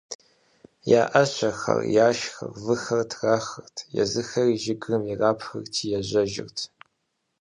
Я ӏэщэхэр, яшхэр, выхэр трахырт, езыхэри жыгым ирапхырти ежьэжырт.